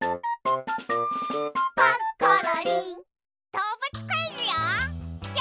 どうぶつクイズよ。